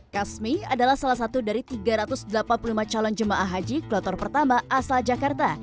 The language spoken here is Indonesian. kasmi adalah salah satu dari tiga ratus delapan puluh lima calon jemaah haji kloter pertama asal jakarta